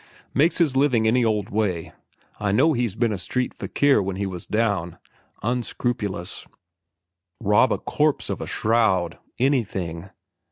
Makes his living any old way. I know he's been a street fakir when he was down. Unscrupulous. Rob a corpse of a shroud—anything.